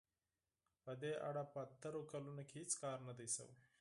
په دې اړه په تېرو کلونو کې هېڅ کار نه دی شوی.